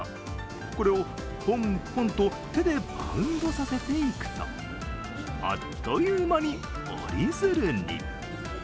これをぽんぽんと手でバウンドさせていくと、あっという間に折り鶴に。